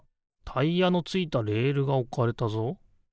タイヤのついたレールがおかれたぞ。